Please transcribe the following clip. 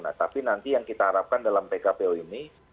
nah tapi nanti yang kita harapkan dalam pkpu ini